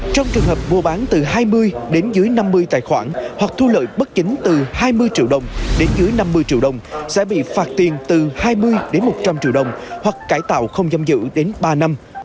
trong trường hợp mua bán từ hai mươi đến dưới năm mươi tài khoản hoặc thu lợi bất chính từ hai mươi triệu đồng đến dưới năm mươi triệu đồng sẽ bị phạt tiền từ hai mươi đến một trăm linh triệu đồng hoặc cải tạo không giam giữ đến ba năm